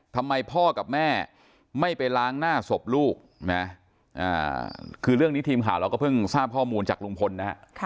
ทำไมพ่อกับแม่ไม่ไปล้างหน้าศพลูกนะคือเรื่องนี้ทีมข่าวเราก็เพิ่งทราบข้อมูลจากลุงพลนะฮะ